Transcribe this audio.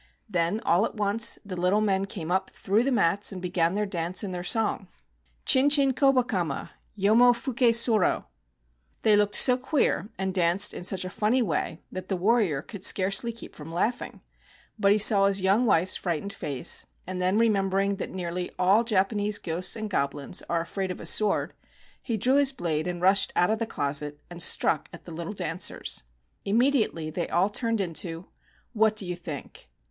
Then, all at once, the little men came up through the mats, and began their dance and their song: — "Chin chin Kobakama, Yomo fuke soro." They looked so queer, and danced in such a funny way, that the warrior could scarcely ° »>Googlc 16 CHIN CHIN KOBAKAMA keep from laughing. But he saw his young wife's frightened face; and then remembering that nearly all Japanese ghosts and goblins are afraid of a sword, he drew his blade, and rushed out of the closet, and struck at the little dancers. Immediately they all turned into — what do you think